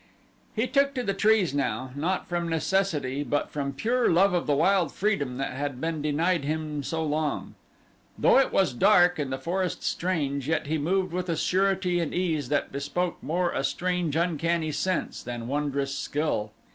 He took to the trees now, not from necessity but from pure love of the wild freedom that had been denied him so long. Though it was dark and the forest strange yet he moved with a surety and ease that bespoke more a strange uncanny sense than wondrous skill.